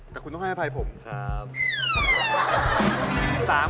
แต่คุณต้องให้อภัยผมครับ